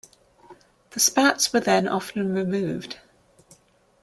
The spats were then often removed.